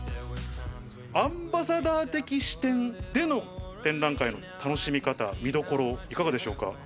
アンバサダー的視点での楽しみどころ、見どころはいかがでしょうか？